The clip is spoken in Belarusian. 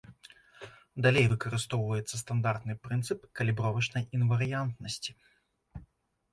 Далей выкарыстоўваецца стандартны прынцып калібровачнай інварыянтнасці.